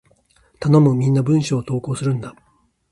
頼む！みんな文章を投稿するんだ！